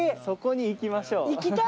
そこに行きましょう。